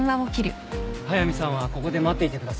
速見さんはここで待っていてください。